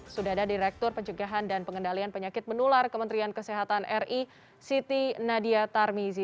sudah ada direktur pencegahan dan pengendalian penyakit menular kementerian kesehatan ri siti nadia tarmizi